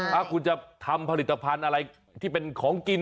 ถ้าคุณจะทำผลิตภัณฑ์อะไรที่เป็นของกิน